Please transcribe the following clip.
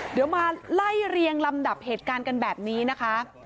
เดี๋ยวมาไล่เรียงลำดับเหตุการณ์กันแบบนี้นะคะ